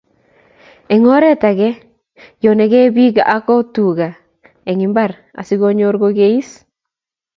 eng oret age, yonegei biik ago tuga eng imbar asigonyor kokeis